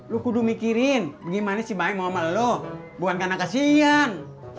lu kudu mikirin gimana si mae mau sama lu bukan karena kesian